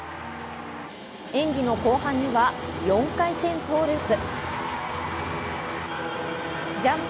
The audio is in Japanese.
演技の後半には４回転トーループ。